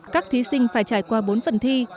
các thí sinh phải trải qua bốn phần thi